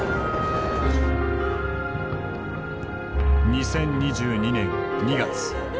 ２０２２年２月。